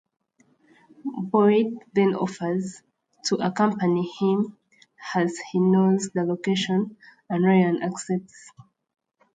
Boyd then offers to accompany him as he knows the location and Raylan accepts.